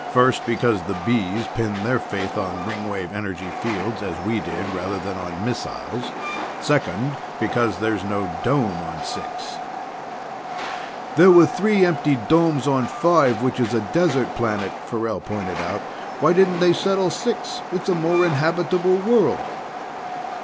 "First, because the Bees pinned their faith on Ringwave energy fields, as we did, rather than on missiles. Second, because there's no dome on Six." "There were three empty domes on Five, which is a desert planet," Farrell pointed out. "Why didn't they settle Six? It's a more habitable world."